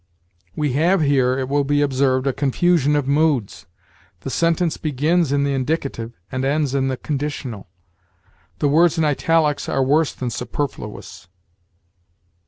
We have here, it will be observed, a confusion of moods; the sentence begins in the indicative and ends in the conditional. The words in italics are worse than superfluous.